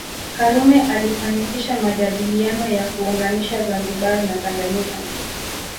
Karume alifanikisha majadiliano ya kuunganisha Zanzibar na Tanganyika